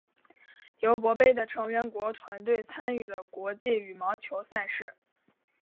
尤伯杯的成员国团队参与的国际羽毛球赛事。